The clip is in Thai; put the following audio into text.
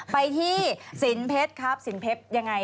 ไปที่สินเพชรครับสินเพชรยังไง